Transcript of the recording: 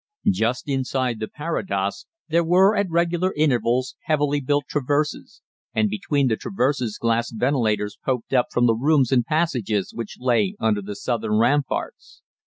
Just inside the parados there were at regular intervals heavily built traverses, and between the traverses glass ventilators poked up from the rooms and passages which lay under the southern ramparts.